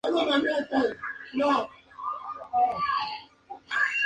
Evaristo y João Pedro, su hermano, abrieron entonces una librería.